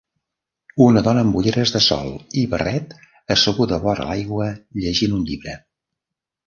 Una dona amb ulleres de sol i barret asseguda vora l'aigua llegint un llibre.